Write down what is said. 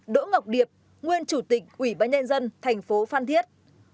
ba đỗ ngọc điệp nguyên chủ tịch ủy bãi nhen dân thành phố phan thiết